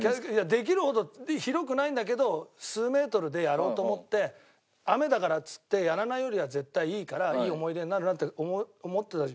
できるほど広くないんだけど数メートルでやろうと思って雨だからっつってやらないよりは絶対いいからいい思い出になるなって思ってた。